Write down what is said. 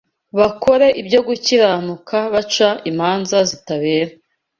bakore ibyo gukiranuka baca imanza zitabera